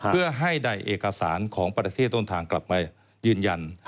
เพื่อให้ได้เอกสารของประเทศต้นทางกลับมายืนยัน